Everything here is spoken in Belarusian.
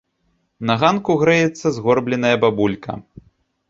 На ганку грэецца згорбленая бабулька.